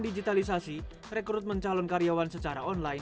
atau misalnya anda memiliki kemampuan untuk melakukan pekerjaan secara online